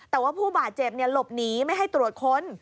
แต่ว่าผู้บาดเจ็บหลบหนีไม่ให้ตรวจค้น